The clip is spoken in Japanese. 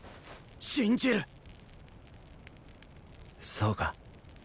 そうか。